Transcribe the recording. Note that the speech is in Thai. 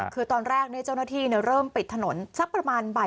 คือตอนแรกเจ้าหน้าที่เริ่มปิดถนนสักประมาณบ่าย